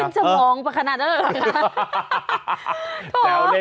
ขึ้นสะบองขนาดเท่าไหร่